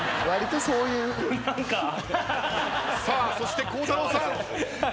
さあそして孝太郎さん。